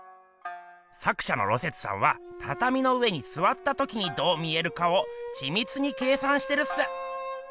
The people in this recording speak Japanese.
作しゃの芦雪さんはたたみの上にすわったときにどう見えるかをちみつに計算してるっす。